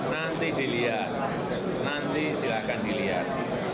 nanti dilihat nanti silahkan dilihat